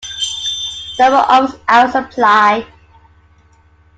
Normal office hours apply.